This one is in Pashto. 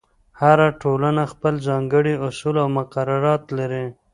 هر ټولنه خپل ځانګړي اصول او مقررات لري.